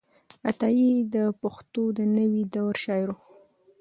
عطايي د پښتو د نوې دور شاعر و.